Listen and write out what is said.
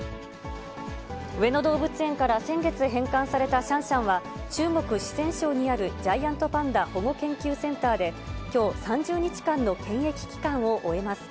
上野動物園から先月返還されたシャンシャンは、中国・四川省にあるジャイアントパンダ保護研究センターで、きょう、３０日間の検疫期間を終えます。